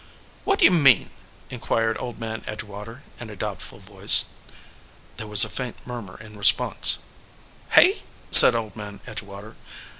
"What d ye mean?" inquired Old Man Edge water, in a doubtful voice. There was a faint murmur in response. "Hey?" said Old Man Edgewater.